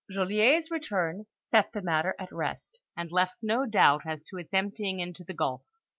Joliet's return set the matter at rest, and left no doubt as to its emptying into the gulf.